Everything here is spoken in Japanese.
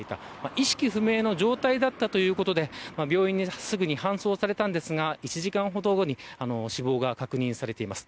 意識不明の状態だったということで病院にすぐ搬送されたんですが１時間ほど後に死亡が確認されています。